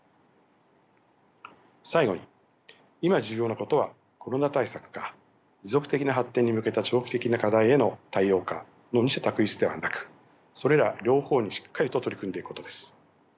最後に今重要なことはコロナ対策か持続的な発展に向けた長期的な課題への対応かの二者択一ではなくそれら両方にしっかりと取り組んでいくことです。